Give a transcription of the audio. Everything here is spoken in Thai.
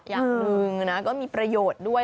อย่างหนึ่งนะก็มีประโยชน์ด้วย